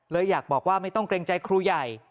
อยากบอกว่าไม่ต้องเกรงใจครูใหญ่